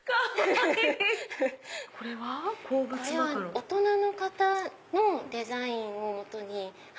大人の方のデザインを基に。